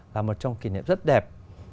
là một trong kỷ niệm rất đẹp